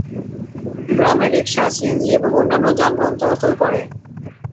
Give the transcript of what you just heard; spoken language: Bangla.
গ্রামে রিকশা, সিএনজি এবং অন্যান্য যানবাহন চলাচল করে।